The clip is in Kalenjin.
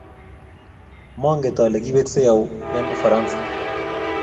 monget ale kiweksei owe eng Ufaransa